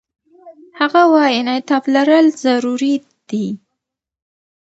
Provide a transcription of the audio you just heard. هغه وايي، انعطاف لرل ضروري دي.